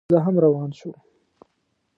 زه هم روان شوم.